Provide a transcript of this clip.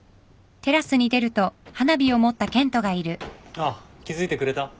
・あっ気付いてくれた？